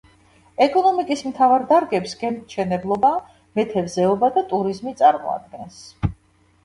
ეკონომიკის მთავარ დარგებს გემთმშენებლობა, მეთევზეობა და ტურიზმი წარმოადგენს.